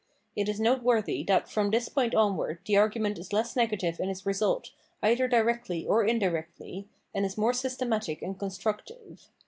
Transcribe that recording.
It is noteworthy that from this point onwards the argument is less negative in its result either directly or indirectly, and is more systematic and constructive.